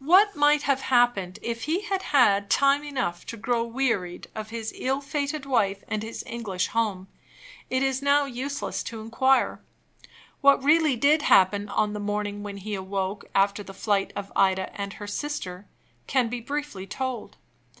What might have happened if he had had time enough to grow wearied of his ill fated wife and his English home, it is now useless to inquire. What really did happen on the morning when he awoke after the flight of Ida and her sister can be briefly told.